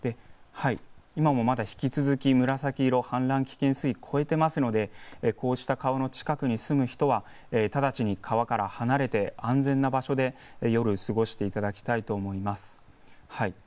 今もまだ引き続き紫色を超えていますので、こうした川の近くに住む人は直ちに川から離れて安全な場所で夜を過ごしていただきたいと思います。